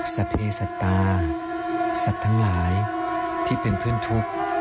เพศสัตว์ป่าสัตว์ทั้งหลายที่เป็นเพื่อนทุกข์